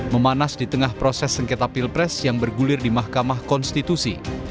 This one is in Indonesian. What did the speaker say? memanas di tengah proses sengketa pilpres yang bergulir di mahkamah konstitusi